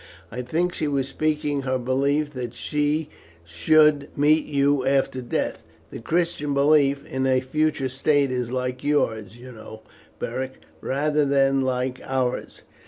I think she was speaking her belief, that she should meet you after death. The Christian belief in a future state is like yours, you know, Beric, rather than like ours."